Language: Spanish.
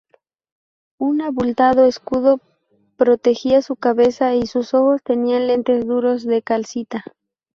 Un abultado escudo protegía su cabeza, y sus ojos tenían lentes duros de calcita.